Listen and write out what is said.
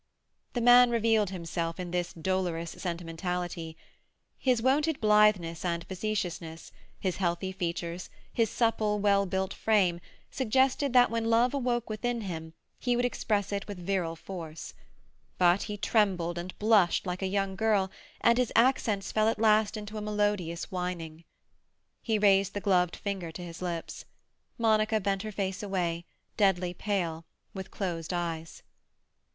The man revealed himself in this dolorous sentimentality. His wonted blitheness and facetiousness, his healthy features, his supple, well built frame, suggested that when love awoke within him he would express it with virile force. But he trembled and blushed like a young girl, and his accents fell at last into a melodious whining. He raised the gloved fingers to his lips. Monica bent her face away, deadly pale, with closed eyes.